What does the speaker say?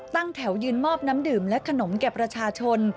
ตั้งแถวยืนมอบน้ำดื่มและขนมแก่ประชาชน